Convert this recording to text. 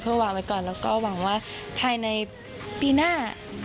วางไว้ก่อนแล้วก็หวังว่าภายในปีหน้า